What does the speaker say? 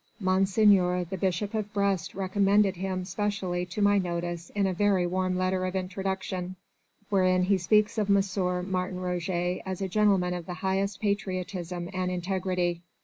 Monseigneur the Bishop of Brest recommended him specially to my notice in a very warm letter of introduction, wherein he speaks of M. Martin Roget as a gentleman of the highest patriotism and integrity.